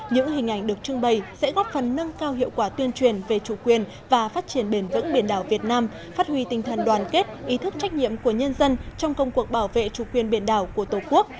những hình ảnh được trưng bày sẽ góp phần nâng cao hiệu quả tuyên truyền về chủ quyền và phát triển bền vững biển đảo việt nam phát huy tinh thần đoàn kết ý thức trách nhiệm của nhân dân trong công cuộc bảo vệ chủ quyền biển đảo của tổ quốc